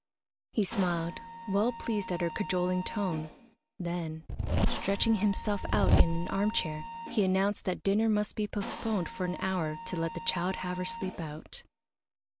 He smiled, well pleased at her cajoling tone, then, stretching himself out in an armchair, he announced that dinner must be postponed for an hour to let the child have her sleep out.